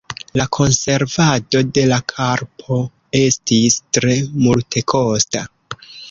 La konservado de la parko estis tre multekosta.